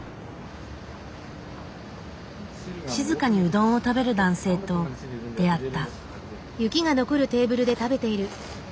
静かにうどんを食べる男性と出会った。